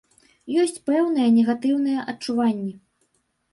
Ёсць пэўныя негатыўныя адчуванні.